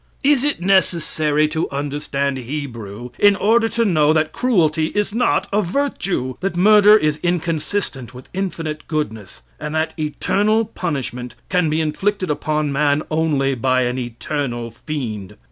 Is it necessary to understand Hebrew in order to know that cruelty is not a virtue, that murder is inconsistent with infinite goodness, and that eternal punishment can be inflicted upon man only by an eternal fiend?